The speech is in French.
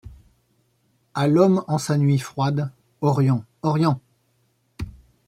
À l’homme en sa nuit froide : Orient ! Orient !